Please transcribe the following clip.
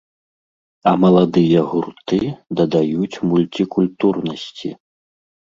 А маладыя гурты дадаюць мульцікультуральнасці.